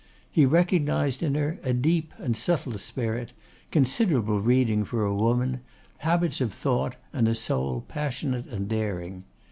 He recognised in her a deep and subtile spirit, considerable reading for a woman, habits of thought, and a soul passionate and daring.